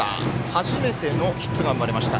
初めてのヒットが生まれました。